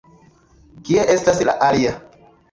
Kie estas la alia?